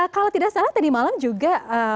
kalau tidak salah tadi malam juga